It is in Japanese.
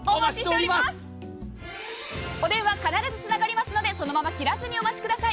お電話必ずつながりますのでそのまま切らずにお待ちください。